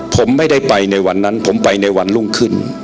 ผมไม่ได้ไปในวันนั้นผมไปในวันรุ่งขึ้น